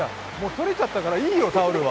取れちゃったからいいよ、タオルは。